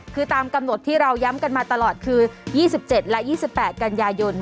คือตามกำหนดที่เราย้ำกันมาตลอดคือ๒๗และ๒๘กันยายน